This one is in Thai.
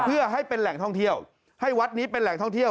เพื่อให้เป็นแหล่งท่องเที่ยวให้วัดนี้เป็นแหล่งท่องเที่ยว